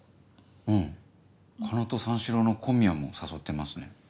うん狩野と三四郎の小宮も誘ってますね。